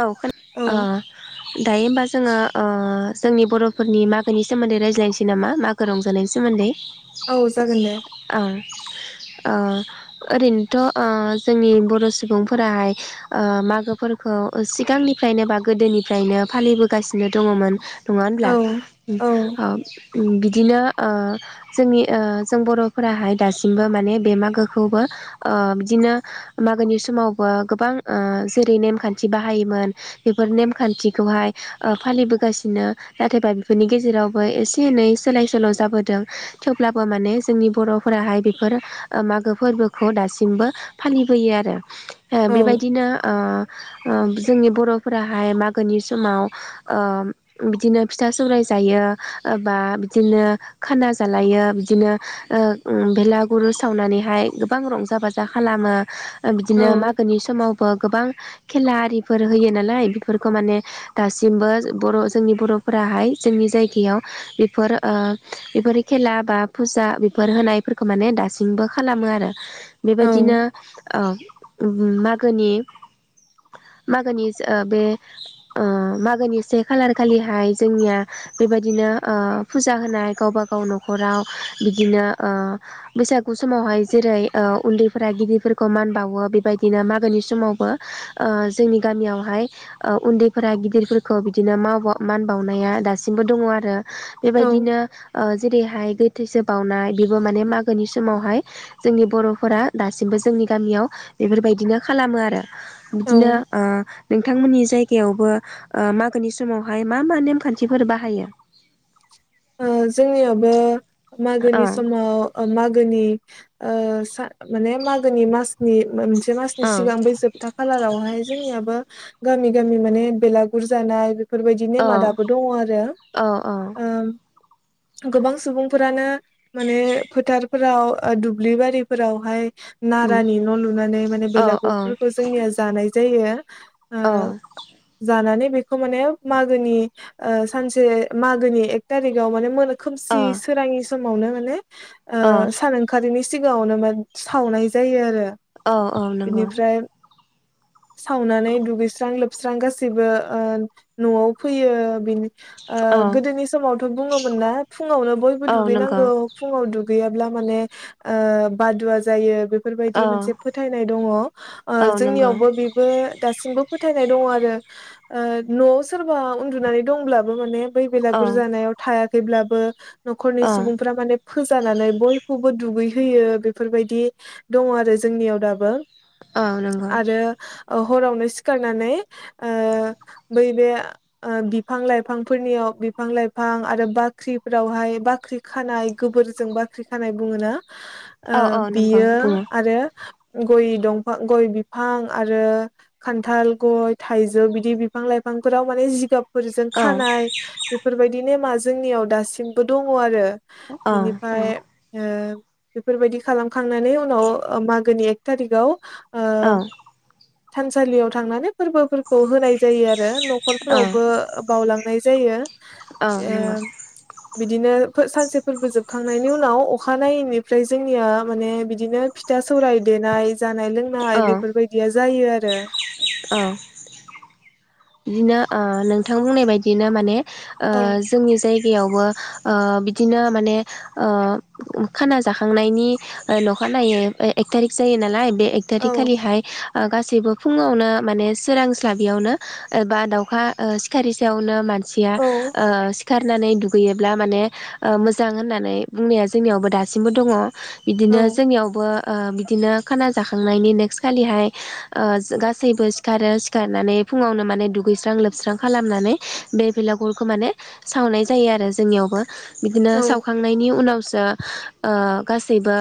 औ खोना ओ औ दायै होमबा जोङो ओ जोंनि बर'फोरनि मागोनि सोमोन्दै रायज्लायनोसै नामा मागो रंजानायनि सोमोन्दै? औ जागोन दे। ओ अ' ओरैनोथ' ओ जोंनि बर' सुबुंफोराहाय ओ मागोफोरखौ ओ सिगांनिफ्रायनो बा गोदोनिफ्रायनो फालिबोगासिनो दङमोन। नङा औ होनब्ला औ ओ बिदिनो ओ। जोंनि ओ जों बर'फोराहाय दासिमबो माने बे मागोखौबो ओ बिदिनो मागोनि समावबो गोबां ओ जेरै नेमखान्थि बाहायोमोन। बेफोर नेमखान्थिखौहाय ओ फालिबोगासिनो नाथायबा बेफोरनि गेजेरावबो एसे एनै सोलाय सोल' जाबोदों। थेवब्लाबो माने जोंनि बर'फोराहाय बेफोर ओ मागो फोरबोखौ दासिमबो फालिबोयो आरो। ओ औ बेबायदिनो ओ ओ जोंनि बर'फोराहाय मागोनि समाव ओ बिदिनो फिथा सौराय जायो ओ बा बिदिनो खाना जालायो बिदिनो ओ उम बेलागुर सावनानैहाय गोबां रंजा बाजा दा खालामो ओ बिदिनो मागोनि समावबो गोबां खेला आरिफोर होयो नालाय बेफोरखो माने दासिमबो बर' जोंनि बर'फोराहाय जोंनि जायगायाव बेफोर ओ बेफोर खेला बा फुजा बेफोर होनायफोरखो माने दासिमबो खालामो आरो। बेबायदिनो औ ओ उम मागोनि मागोनि ओ बे ओ मागोनि से खालार खालिहाय जोंनिया बेबायदिनो ओ फुजा होनाय गावबा गाव न'खराव बिदिनो ओ बैसागु समावहाय जेरै ओ उन्दैफोरा गिदिरफोरखौ मान बावो बेबायदिनो मागोनि समावबो ओ जोंनि गामियावहाय ओ उन्दैफोरा गिदिरफोरखो बिदिनो माव मान बावनाया दासिमबो दङ आरो ना। औ बेबायदिनो ओ जेरैहाय गोथैसो बावनाय बेबो माने मागोनि समावहाय जोंनि बर'फोरा दासिमबो जोंनि गामियाव बेफोरबायदिनो खालामो आरो। औ बिदिनो ओ नोंथांमोननि जायगायावबो ओ मागोनि समावहाय मा मा नेमखान्थिफोर बाहायो ओ जोंनियाबो औ मागोनि समाव अ' मागोनि ओ सा माने मागोनि मासनि बा मोनसे से मासनि औ सिगांबो जोब दा खालारावहाय जोंनियाबो गामि गामि माने बेलागुर जानाय बेफोरबायदि नेमा औ दाबो दङ आरो। औ अ' ओ गोबां सुबुंफोरानो माने फोथारफोराव ओ दुब्लि बारिफोरावहाय उम नारानि न' लुनानै माने औ औ बेलागुरफोरखो जोंनिया जानाय जायो ओ जानानै बेखौ माने मागोनि ओ सानसे मागोनि एक टारिगाव माने मोनो खोमसि सोराङि समावनो माने ओ औ सान ओं खारिनि सिगाङावनो मोन सावनाय जायो आरो औ औ नंगौ बिनिफ्राय [inaudible] सावनानै दुगैस्रां लोबस्रां गासैबो ओ न'आव फैयो बेनो ओ औ गोदोनि समावथ' बुङोमोन ना फुङावनो बयबो औ नंगौ दुगैनांगौ फुंआव दुगैयाब्ला माने ओ बादुवा जायो बे फोरबायदि औ मोनसे फोथायनाय दङ ओ औ नंगौ जोंनियावबो बे बो दासिमबो फोथायनाय दङ आरो ओ न'आव सोरबा उन्दुनानै दंब्लाबो माने बै बा औ बुरजानायाव थायाखैब्लाबो न'खरनि औ सुबुंफोरा माने फोजानानै बयखौबो दुगैहोयो बेफोरबायदि दङ आरो जोंनियाव दाबो औ नंगौ आरो अ हरावनो सिखारनानै ओ बै बे ओ बिफां लाइफांफोरनियाव बि फां लाइफां आरो बाख्रिफोरावहाय बाख्रि खानाय गोबोरजों बाख्रि खानाय बुङोना ओ औ औ नंगौ बियो बुङो आरो गय दंफां गय बिफां आरो खान्थाल गय थाइजौ बिदि बिफां लाइफांफोराव माने जिगाब फोरजों औ खानाय बेफोरबायदि नेमा जोंनियाव दासिमबो दङ आरो औ बिनिफाय ओ बेफोरबायदि खालामखांनानै उनाव ओ मागोनि एक थारिकाव ओ थानसालियाव थांनानै फोरबोफोर खौ होनाय जायो आरो न'खरफोरावबो बावलांनाय जायो औ ओ नंगौ बिदिनो फो सानसे फोरबो जोबखांनायनि उनाव अखानायैनिफ्राय जोंनिया माने बिदिनो फि था सौराय देनाय जानाय लोंनाय औ बेफोरबायदिया जायो आरो औ बिदिनो ओ नोंथां बुंनाय बायदियनो माने ओज औ जोंनि जायगायावबो ओ बिदिनो माने ओ खाना जाखांनायनि ओ न'खानायै ओ एक थारिक जायो नालाय बे एक औ थारिकखालिहाय ओ गासैबो फुङावनो माने सोरांस्लाबियावनो ओ बा दाउखा ओ सिखारि सायावनो मानसिया औ ओ सि खारनानै दुगैयोब्ला माने ओ मोजां होननानै बुंनाया जोंनियावबो दासिमबो दङ इदिनो जोंनियावबो ओ बि दिनो खाना जाखांनायनि नेक्स्ट खालिहाय ओ जो गासैबो सिखारो सिखारनानै फुङावनो माने दुगैस्रां लोबस्रां खालामनानै बे भेलागुरखौ माने सावनाय जायो आरो जोंनियावबो बिदिनो औ सावखांनायनि उनावसो ओ गासैबो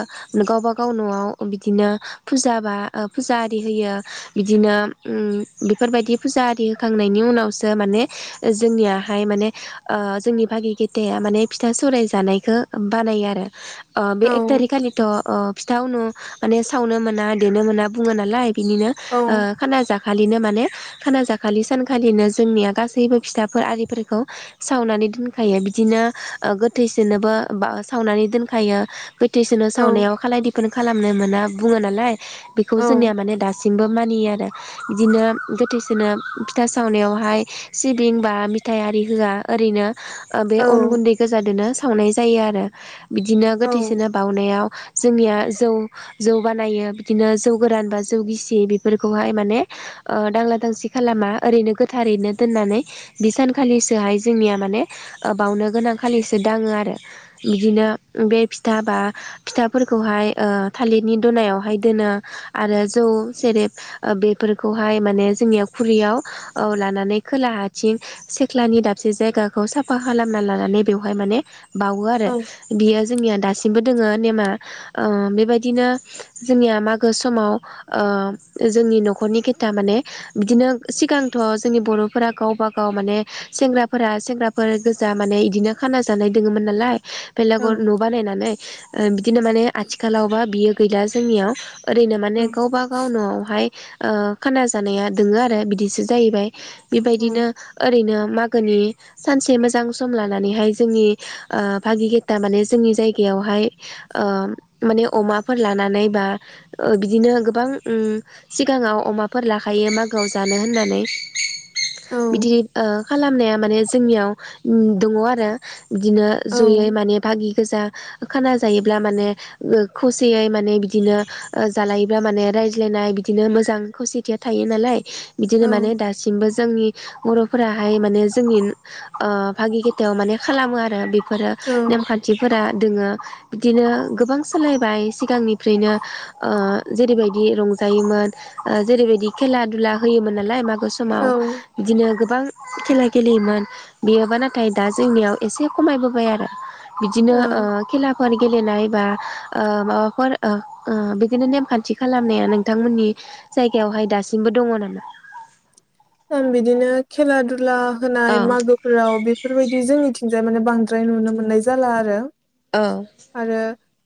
गावबा गाव न'आव बिदिनो फुजा बा फुजा आरि होयो बिदिनो उम बेफोरबायदि फुजा आरि होखांनायनि उनावसो माने जोंनियाहाय माने ओ जोंनि भागि गेथाया माने फिथा सौराय जानायखो बानायो आरो ओ बे औ एक थारिखालिथ' ओ फिथा नु माने सावनो मोना देनो मोना बुङो नालाय बिनिनो औ ओ खाना जाखालिनो माने खाना जाखालि सानखालिनो जोंनिया गासैबो फिथाफोर आरिफोरखौ सावनानै दोनखायो बिदिनो ओ गोथैसोनोबो बा सावनानै दोनखायो गोथैसोनो औ सावनायाव खालाय दैफोन खालामनो मोना बुङो नालाय बेखौ औ जोंनिया माने दासिमबो मानियो आरो बिदिनो गोथैस दिनो फिथा सावनायावहाय सिबिं बा मिथाय आरि होआ ओरैनो ओ बे अन गुन्दै गोजादोनो सावनाय जायो आरो। बिदिनो औ गोथैसोनो बाउनायाव जोंनिया जौ जौ बानायो बिदिनो जौ गोरान बा जौ गिसि बेफोरखौहाय माने ओ [unintelligible] उदांसि खालामा ओरैनो गोथारैनो दोननानै बि सानखालिसोहाय जोंनिया माने ओ बावनो गोनांखालिसो दाङो आरो बिदिनो बे फिथा बा फिथाफोरखौहाय ओ थालिरनि दनायावहाय दोनो आरो जौ सेरेब ओ बेफोरखौहाय माने जोंनिया खुरैयाव लानानै ओ खोलाहाथिं सिदलानि दाबसे जायगाखौ साफा खालामना लानानै बेवहाय माने बावो आरो बियो जोंनिया दासिमबो दोङो नेमआ ओ बेबायदिनो जोंनिया मागो समाव ओ जोंनि न'खरनि खेथा माने बिदिनो सिगांथ' जोंनि बर'फोरा गावबा गाव माने सेंग्राफोरा सेंग्रा फोर गोजा माने इदिनो खाना जानाय दोङोमोन नालाय औ बेलागुर न' बानायनानै ओ बिदिनो माने आथिखालावबा बियो गैला जोंनियाव ओरैनो माने गावबागाव न'आवहाय ओ खाना जानाया दोङो आरो बिदिसो जाहैबाय बेबायदिनो ओरैनो मागोनि सानसे मोजां सम लानानैहाय जोंनि ओ भागि गेटा माने जोंनि जायगायावहाय ओ माने अमाफोर लानानै बा ओ बिदिनो गोबां ओम सिगाङाव अमाफोर लाखायो मा गोआव जानो होननानै बिदि ओ खालामनाया माने जोंनियाव ओम दङ आरो बिदिनो जयै माने भागि गोजा खाना जायोब्ला माने ओ खौसेयै माने बिदिनो ओ जालायोब्ला माने रायज्लायनाय बिदिनो मोजां खौसेथिया थायो नालाय बिदिनो माने दा सिमबो जोंनि बर'फोराहाय माने जोंनि ओ भागि खेथायाव माने खालामो आरो बेफोरो नेमखान्थिफोरा दोङो बिदिनो गोबां सोलायबाय सिगांनिफ्रायनो ओ जेरैबायदि रंजायोमोन। जेरैबायदि खेला दुला होयोमोन नालाय मागो औ समाव बिदिनो गोबां खेला गेलेयोमोन बियोबा नाथाय दा जोंनियाव एसे खमायबोबाय आरो औ बिदिनो औ ओ खेला फारि गेलेनाय बा ओ माबाफोर ओ ओ बिदिनो नेमखान्थि खालामनाया नोंथांमोननि जायगायावहाय दासिमबो दङ नामा? ओम बिदिनो खेला दुला होनाय औ मागो फोराव बेफोरबायदि जोंनिथिंजाय माने बांद्राय नुनो मोननाय जाला आरो ओ आरो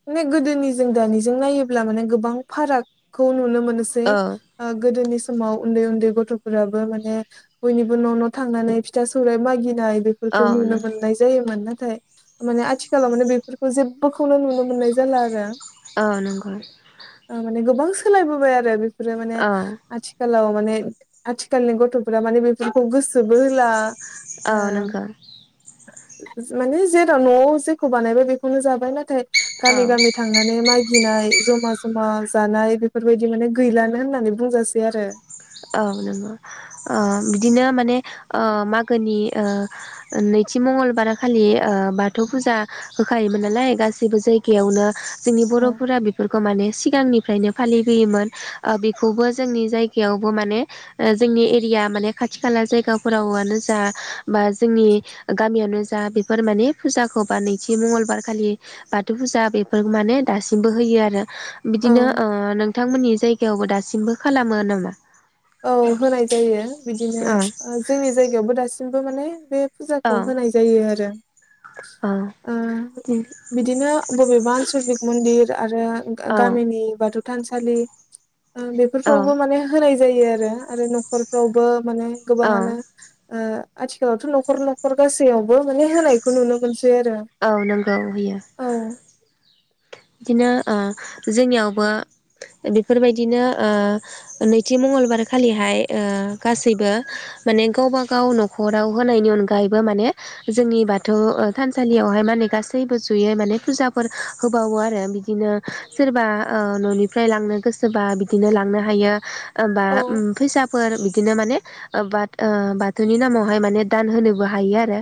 माने गोदोनि जों दानिजों नायोब्ला माने गोबां फारागखौ नुनो मोनोसै औ [unintelligible] गोदोनि समाव उन्दै उन्दै गथ'फोरा बो माने बयनिबो न' न' थांनानै फिथा सौराइ मागिनाय बे औ फोरखौ नुनो नों मोननाय जायोमोन नाथाय माने आथिखालाव माने बेफोरखौ जेब्बोखौनो नुनो मोननाय जाला आरो ओ नोंगौ ओ माने गोबां सोलायबोबाय आरो बेफोरो माने औ आथिखालाव माने आथिखालनि गथ'फोरा माने बेफोरखौ गोसोबो होला औ ओ नंगौ माने जेराव न'आव जेखौ बानायबाय बेखौनो जाबाय नाथाय औ गामि गामि थांनानै मागिनाय जमा जमा जानाय बेफोरबायदि माने गैलानो होननानै बुंजासै आरो। औ नांगौ ओ बिदिनो माने ओ मागोनि ओ नैथि मंगलबार खालि ओ बाथौ फुजा होखायोमोन नालाय गासैबो जायगायावनो जोंनि बर'फोरा बेफोरखौ माने सिगांनिफ्रायनो फालिबोयोमोन ओ बेखौबो जोंनि जायगायावबो माने ओक्षजोंनि एरिया माने खाथि खाला जायगाफोरावनो जा बा जोंनि गामियावनो जा बेफोर माने फुजाखौ बा नैथि मंगलबार खालि बाथौ फुजा बेफोर माने दासिमबो होयो आरो। औ बिदिनो ओ नोंथांमोननि जायगायावबो दासिमबो खालामो नामा? औ होनाय जायो बिदिनो ओ जोंनि जायगायावबो दासिमबो माने बे औ फुजाखौ होनाय‌ जायो आरो ओ बिदिनो बबेबा आनसलिक मन्दिर। आरो औ गामिनि बाथौ थानसालि ओ औ बेफोरफ्रावबो माने होनाय। जायो आरो आरो न'खरफ्रावबो माने औ गोबाङानो ओ आथिखालावथ' न'खर न'खर गासैयावबो माने होनायखौ नुनो मोनसै आरो। औ नंगौ होयो। औ बिदिनो ओ जोंनियावबो बेफोरबायदिनो ओ नैथि मंगलबारखालिहाय ओ गासैबो। माने गावबा गाव न'खराव होनायनि अनगायैबो माने जोंनि बाथौ ओ थानसालियावहाय माने गासैबो जयै माने फुजाफोर बावो आरो बिदिनो सोरबा ओ न'निफ्राय लांनो गोसोबा बिदिनो लांनो हायो। ओबा औ उम फैसाब फोर बिदिनो माने ओ बाथ ओ बाथौनि नामावहाय माने दान होनोबो हायो आरो।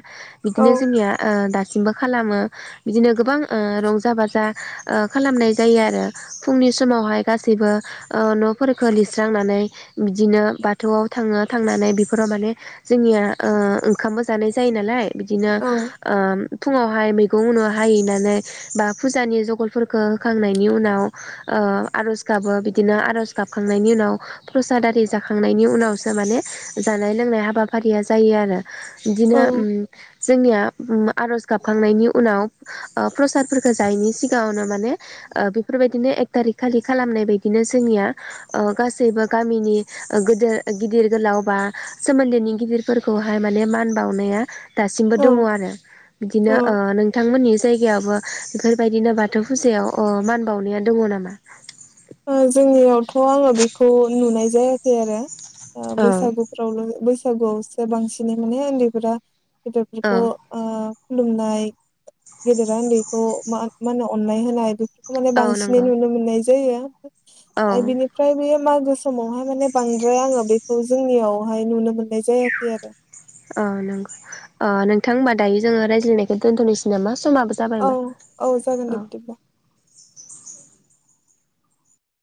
औ बिदिनो जोंनिया ओ दासिमबो खालामो बिदिनो गोबां ओ रंजा बाज ओ खालामनाय जायो आरो फुंनि समावहाय गासैबो ओ न'फोरखौ लिरस्रांनानै बिदिनो बाथौआव थाङो थांनानै बेफोराव माने जोंनिया ओ ओंखामबो जानाय जायो नालाय बिदिनो ओम फुङावहाय मैगं उनु हायैनानै बा फुजानि जगलफोरखौ होखांनायनि उनाव ओ आर'ज गाबो बिदिनो आर'ज गाबखांनायनि उनाव प्रसादारि जाखांनायनि उनावसो माने जानाय लोंनाय हाबाफारिया जायो आरो। बिदिनो औ उम जोंनिया आरज गाबखांनायनि उनाव ओ प्रसाद फोजायैनि सिगाङावनो माने ओ बेफोरबायदिनो एक थारिक खालि खालामनाय बायदिनो जोंनिया ओ गासैबो गामिनि ओ गदेर गिदिर गोलाव बा सोमोन्दोनि गिदिरफोरखौहाय माने मान बावनाया दासिमबो दङ औ आरो। बिदिनो औ ओ नोंथांमोननि जायगायाबो बेफोरबायदिनो बाथौ फुजायाव अ मान बावनाया दङ नामा? ओ जोंनियावथ' आङो बेखौ नुनाय जायाखै आरो ओ औ बैसागु फोरावल' बैसागुआवसो बांसिनै माने उन्दैफोरा गिदेरफोरखौ औ ओ खुलुमनाय गेदेरा उन्दैखौ मान मा होनो अननाय होनाय। माने बांसिनै नंगौ नुनो मोननाय जायो। औ आरो बिनि फ्राय बेयो मागो समावहाय माने बांद्राय आङो बेखौ जोंनियावहाय नुनो मोननाय जायाखै आरो। अ नंगौ। अ नोंथां होमबा दायो जोङो रायज्लायनायखौ दोन्थ'नोसै नामा? समाबो औ जाबायमोन औ जागोन दे बिदिब्ला।